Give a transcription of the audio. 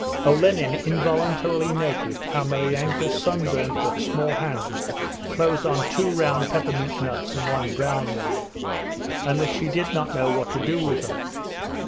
Olenin involuntarily noticed how Maryanka's sunburnt but small hand closed on two round peppermint nuts and one brown one, and that she did not know what to do with them.